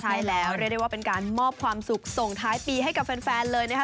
ใช่แล้วเรียกได้ว่าเป็นการมอบความสุขส่งท้ายปีให้กับแฟนเลยนะคะ